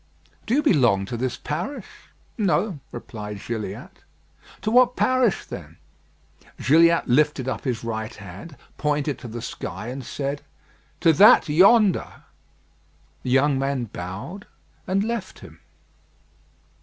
"Do you belong to this parish?" "No," replied Gilliatt. "To what parish, then?" Gilliatt lifted up his right hand, pointed to the sky, and said "To that yonder." The young man bowed, and left him.